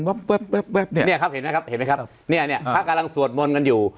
เนี่ยครับเห็นไหมครับเห็นไหมครับเนี่ยพระกำลังสวดมนต์กันอยู่